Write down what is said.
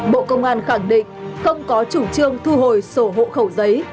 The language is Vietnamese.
bộ công an khẳng định không có chủ trương thu hồi sổ hộ khẩu giấy